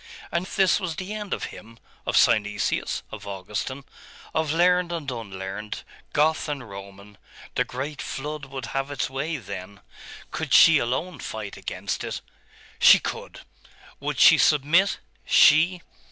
And this was the end of him of Synesius of Augustine of learned and unlearned, Goth and Roman .... The great flood would have its way, then.... Could she alone fight against it? She could! Would she submit? She?